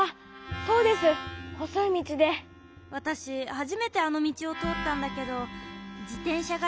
わたしはじめてあのみちをとおったんだけどじてんしゃがね